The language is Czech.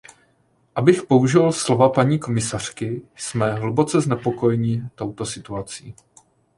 Abych použil slova paní komisařky, jsme hluboce znepokojeni touto situací.